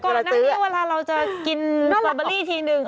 ก่อนนั้นนี่เวลาเราจะกินสตรอเบอร์รี่ทีนึง